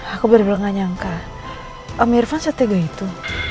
aku bener bener gak nyangka om irfan setega itu